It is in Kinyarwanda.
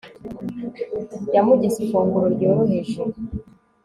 yamugize ifunguro ryoroheje